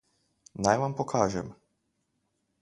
Naj vam pokažem.